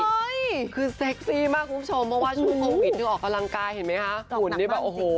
โอ้ยคือเซ็กซี่มากคุณผู้ชมเพราะว่าชุดโควิดถึงออกกำลังกายเห็นไหมคะ